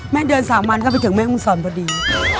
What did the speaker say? แม่เดินสามวันก็ไปถึงแม่อุงสรพอดี